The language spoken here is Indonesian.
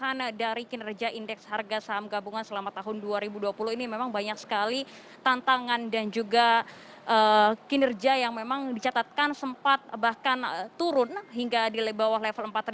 karena dari kinerja indeks harga saham gabungan selama tahun dua ribu dua puluh ini memang banyak sekali tantangan dan juga kinerja yang memang dicatatkan sempat bahkan turun hingga di bawah level empat